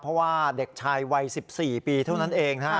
เพราะว่าเด็กชายวัย๑๔ปีเท่านั้นเองนะฮะ